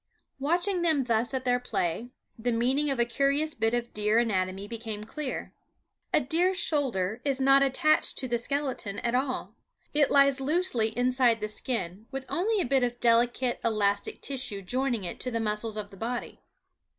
Watching them thus at their play, the meaning of a curious bit of deer anatomy became clear. A deer's shoulder is not attached to the skeleton at all; it lies loosely inside the skin, with only a bit of delicate elastic tissue joining it to the muscles of the body.